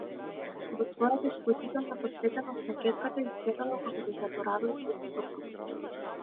Во својата исклучителна посветеност на ќерката изгледало како да заборавила и на сопругот.